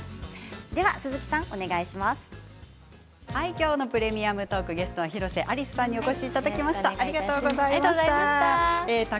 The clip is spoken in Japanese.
今日の「プレミアムトーク」のゲストは広瀬アリスさんにお越しいただきましたありがとうございました。